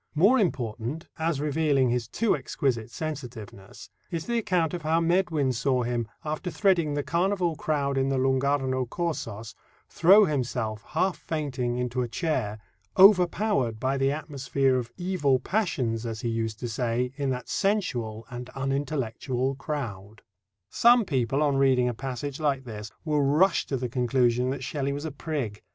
More important, as revealing his too exquisite sensitiveness, is the account of how Medwin saw him, "after threading the carnival crowd in the Lung' Arno Corsos, throw himself, half fainting, into a chair, overpowered by the atmosphere of evil passions, as he used to say, in that sensual and unintellectual crowd." Some people, on reading a passage like this, will rush to the conclusion that Shelley was a prig.